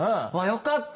よかった。